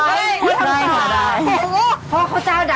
ผมจะให้ที่ปื๊ยชิม